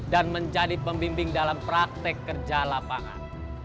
dan menjadi pembimbing dalam praktek kerja lapangan